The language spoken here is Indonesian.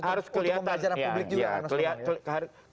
harus untuk pembelajaran publik juga